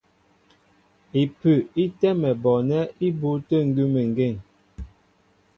Ipʉ í tɛ́mɛ bɔɔnɛ́ ibû tə̂ ngʉ́mengeŋ.